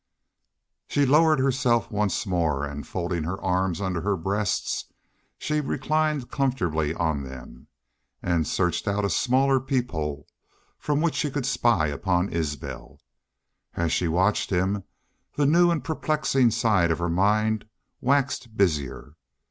She lowered herself once more and, folding her arms under her breast, she reclined comfortably on them, and searched out a smaller peephole from which she could spy upon Isbel. And as she watched him the new and perplexing side of her mind waxed busier.